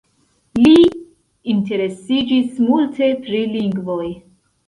Li interesiĝis multe pri lingvoj.